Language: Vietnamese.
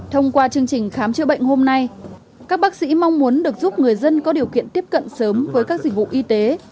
thông qua chương trình khám chữa bệnh hôm nay các bác sĩ mong muốn được giúp người dân có điều kiện tiếp cận sớm với các dịch vụ y tế